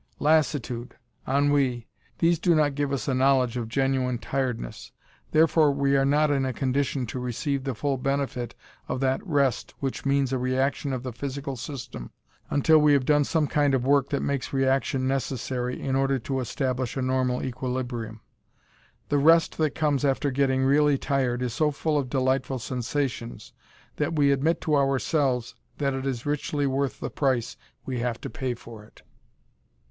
Lassitude, ennui these do not give us a knowledge of genuine tiredness, therefore we are not in a condition to receive the full benefit of that rest which means a reaction of the physical system until we have done some kind of work that makes reaction necessary in order to establish a normal equilibrium. The rest that comes after getting really tired is so full of delightful sensations that we admit to ourselves that it is richly worth the price we have to pay for it.